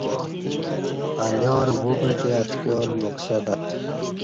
انیارہ وہ پعتے اتکیارہ نُکسہ تت